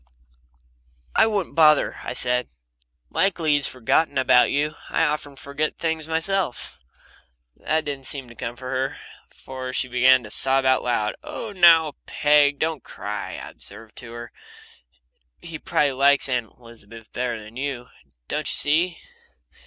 "I wouldn't bother," I said. "Likely he's forgotten about you. I often forget things myself." That didn't seem to comfort her, for she began to sob out loud. "Oh, now. Peg, don't cry," I observed to her. "He probably likes Aunt Elizabeth better than you, don't you see?